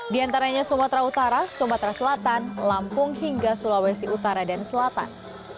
di antaranya sumatera utara sumatera selatan lampung hingga sulawesi utara dan selatan